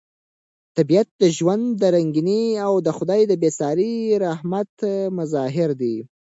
طبیعت د ژوند د رنګینۍ او د خدای د بې ساري رحمت مظهر دی.